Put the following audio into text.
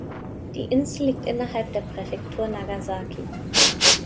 Die Insel liegt innerhalb der Präfektur Nagasaki.